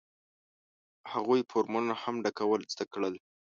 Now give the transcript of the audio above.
هغوی فورمونه هم ډکول زده کړل.